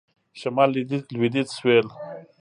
شمال .. لویدیځ .. سوېل ..